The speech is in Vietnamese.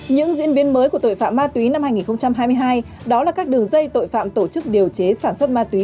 những diễn biến mới của tội phạm ma túy năm hai nghìn hai mươi hai đó là các đường dây tội phạm tổ chức điều chế sản xuất ma túy